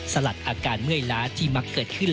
สลัดอาการเมื่อยล้าที่มักเกิดขึ้น